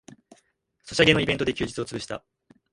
ソシャゲのイベントで休日をつぶした